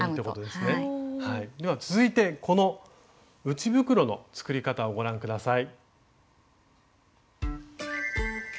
では続いてこの内袋の作り方をご覧下さい。